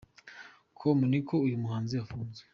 com ni uko uyu muhanzi afunzwe.